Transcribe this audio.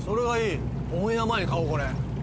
オンエア前に買おうこれ。